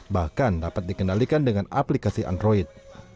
bahkan dapat dikendalikan dengan aplikasi android